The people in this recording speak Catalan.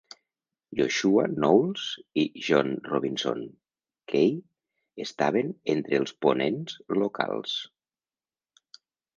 Joshua Knowles i John Robinson Kay estaven entre els ponents locals.